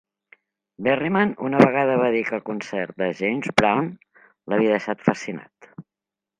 Berryman una vegada va dir que el concert de James Brown l'havia deixat fascinat.